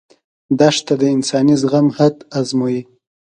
دښته د انساني زغم حد ازمويي.